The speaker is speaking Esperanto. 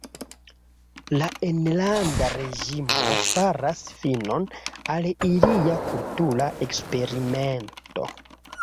La enlanda reĝimo faras finon al ilia kultura eksperimento.